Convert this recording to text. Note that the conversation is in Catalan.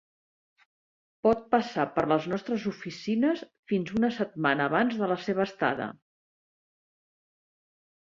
Pot passar per les nostres oficines fins una setmana abans de la seva estada.